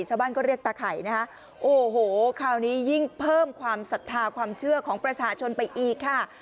ชาวบ้านก็เรียกตาไข่นะคะโอ้โหคราวนี้ยิ่งเพิ่มความศรัทธาความเชื่อของประชาชนไปอีกค่ะ